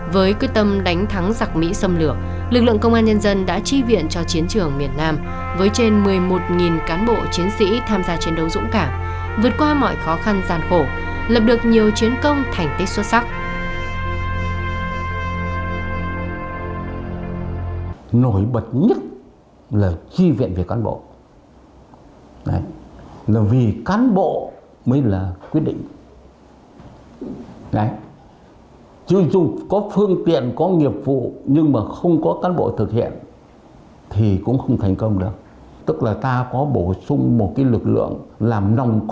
với quyết tâm đánh thắng giặc mỹ xâm lửa lập được nhiều chiến trường miền nam với trên một mươi một cán bộ chiến đấu dũng cảm vượt qua mọi khó khăn gian khổ lập được nhiều chiến trường miền nam với trên một mươi một cán bộ chiến đấu dũng cảm